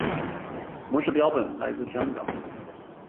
模式标本来自香港。